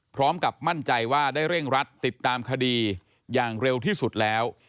พร้อมกับมั่นใจว่าได้เร่งรัดติดตามคดีอย่างเร็วที่สุดแล้ว